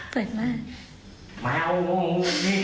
ตื่นมาก